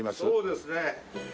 そうですね。